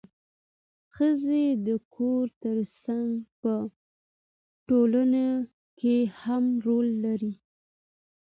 ښځې د کور ترڅنګ په ټولنه کې مهم رول لري